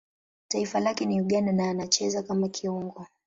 Taifa lake ni Uganda na anacheza kama kiungo.